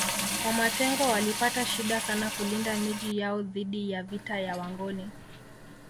Wamatengo walipata shida sana kulinda Miji yao dhidi ya vita ya Wangoni